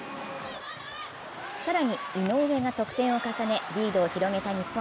更に、井上が得点を重ね、リードを広げた日本。